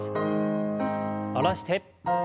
下ろして。